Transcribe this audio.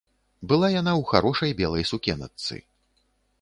Была яна ў харошай белай сукеначцы.